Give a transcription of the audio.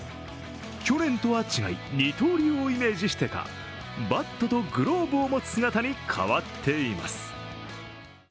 去年とは違い、二刀流をイメージしてかバットとグローブを持つ姿に変わっています。